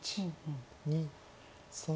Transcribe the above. ２３。